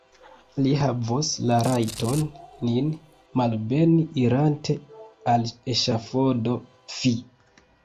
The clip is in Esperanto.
Li havos la rajton nin malbeni, irante al eŝafodo: fi!